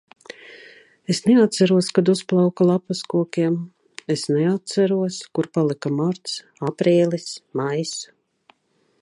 Es neatceros, kad uzplauka lapas kokiem. Es neatceros, kur palika marts, aprīlis, maijs.